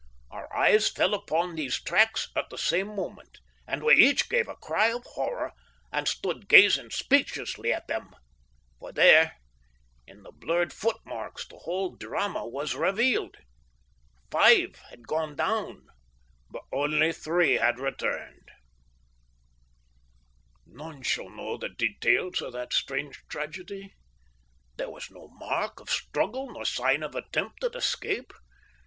Our eyes fell upon these tracks at the same moment, and we each gave a cry of horror, and stood gazing speechlessly at them. For there, in those blurred footmarks, the whole drama was revealed. Five had gone down, but only three had returned. None shall ever know the details of that strange tragedy. There was no mark of struggle nor sign of attempt at escape.